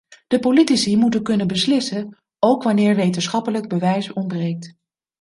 De politici moeten kunnen beslissen, ook wanneer wetenschappelijk bewijs ontbreekt.